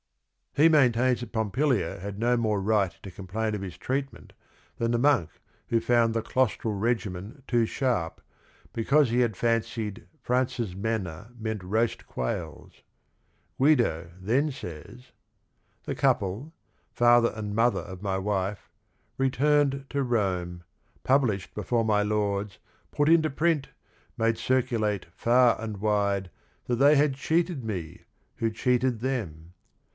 He maintains that Pompilia had no more right to complain of his treatment than the monk who found the "claustral regimen too sharp" because he had "fancied Francis' manna meant roast quails." Guido then says : "The couple, father and mother of my wife, Returned to Rome, published before my lords, Put into print, made circulate far and wide That they had cheated me, who cheated them.